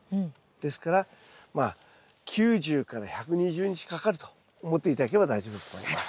ですからまあ９０１２０日かかると思って頂ければ大丈夫だと思います。